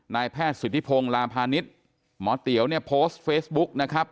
นายแพทย์สุธิพงศ์ลาพาณิชย์หมอเตี๋ยวเนี่ยโพสต์เฟซบุ๊กนะครับ